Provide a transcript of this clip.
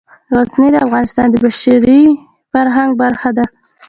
غزني د افغانستان د بشري فرهنګ برخه ده.